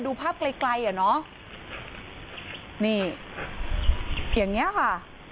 ดูภาพไกลไกลอ่ะเนอะนี่อย่างเงี้ยค่ะ